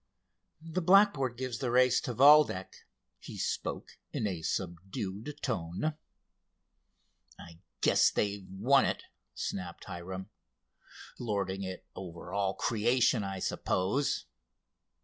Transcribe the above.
"The blackboard gives the race to Valdec," he spoke in a subdued tone. "I guess they've won it," snapped Hiram. "Lording it over all creation, I suppose?"